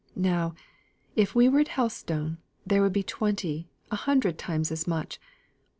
Now, if we were at Helstone, there would be twenty a hundred times as much.